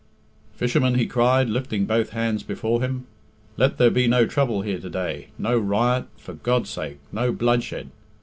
"Fishermen," he cried, lifting both hands before him, "let there be no trouble here to day, no riot, for God's sake, no bloodshed.